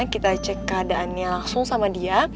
kita cek keadaannya langsung sama dia